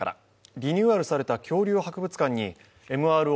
リニューアルされた恐竜博物館にＭＲＯ